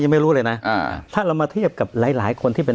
ไม่รู้เลยนะอ่าถ้าเรามาเทียบกับหลายหลายคนที่เป็น